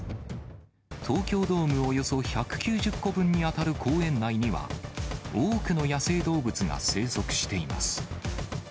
東京ドームおよそ１９０個分に当たる公園内には、多くの野生動物が生息しています。